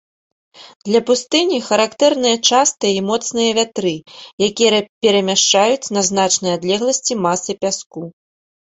Для пустыні характэрныя частыя і моцныя вятры, якія перамяшчаюць на значныя адлегласці масы пяску.